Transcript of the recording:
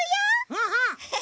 うんうん！